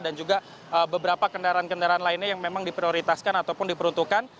dan juga beberapa kendaraan kendaraan lainnya yang memang diprioritaskan ataupun diperuntukkan